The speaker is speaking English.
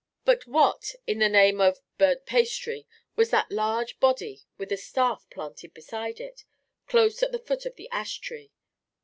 But what, in the name of—burnt pastry—was that large body with a staff planted beside it, close at the foot of the ash tree?